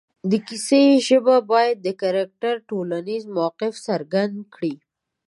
د کیسې ژبه باید د کرکټر ټولنیز موقف څرګند کړي